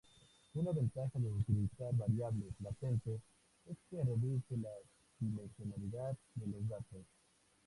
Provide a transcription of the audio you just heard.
Una ventaja de utilizar variables latentes es que reduce la dimensionalidad de los datos.